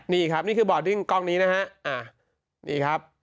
นี่ครับนี่คือบอดดิ้งกล้องนี้นะฮะ